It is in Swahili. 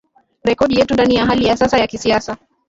rekodi yetu Ndani ya hali ya sasa ya kisiasa